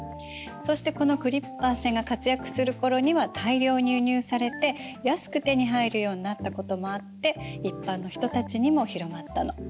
そしてこのクリッパー船が活躍する頃には大量に輸入されて安く手に入るようになったこともあって一般の人たちにも広まったの。